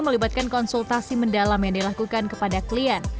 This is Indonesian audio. melibatkan konsultasi mendalam yang dilakukan kepada klien